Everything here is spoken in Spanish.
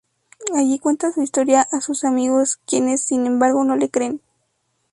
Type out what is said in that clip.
Allí cuenta su historia a sus amigos, quienes sin embargo no le creen.